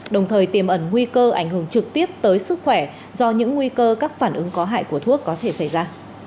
đồng thời tiềm ẩn nguy cơ ảnh hưởng trực tiếp tới sức khỏe do những nguy cơ các phản ứng có hại của thuốc có thể xảy ra